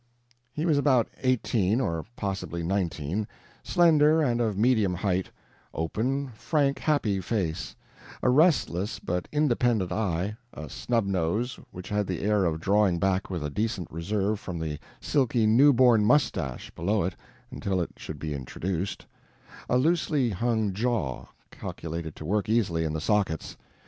He was about eighteen, or possibly nineteen; slender and of medium height; open, frank, happy face; a restless but independent eye; a snub nose, which had the air of drawing back with a decent reserve from the silky new born mustache below it until it should be introduced; a loosely hung jaw, calculated to work easily in the sockets.